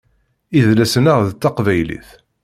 Idles-nneɣ d taqbaylit.